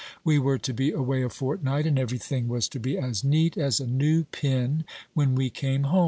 We were to be away a fortnight, and everything was to be as neat as a new pin when we came home.